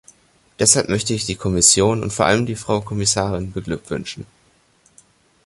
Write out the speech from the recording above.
Deshalb möchte ich die Kommission und vor allem die Frau Kommissarin beglückwünschen.